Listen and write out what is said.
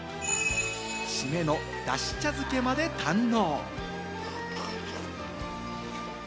締めのだし茶漬けまで堪能。